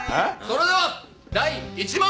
それでは第１問。